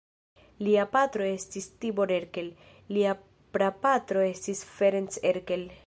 Lia patro estis Tibor Erkel, lia prapatro estis Ferenc Erkel.